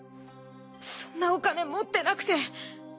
そんなお金持ってなくて。